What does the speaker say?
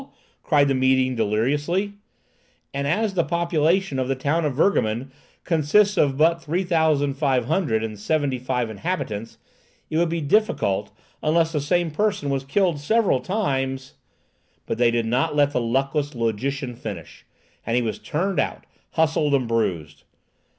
cried the meeting deliriously. "And as the population of the town of Virgamen consists of but three thousand five hundred and seventy five inhabitants, it would be difficult, unless the same person was killed several times—" But they did not let the luckless logician finish, and he was turned out, hustled and bruised.